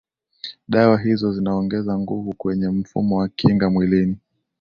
dawa hizo zinaongeza nguvu kwenye mfumo wa kinga mwilini